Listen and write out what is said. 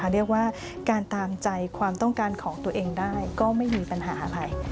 เรียกว่าการตามใจความต้องการของตัวเองได้ก็ไม่มีปัญหาอะไร